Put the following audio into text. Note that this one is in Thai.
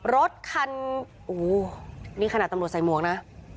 รถคันโอ้โหนี่ขณะตำรวจสายมวงนะ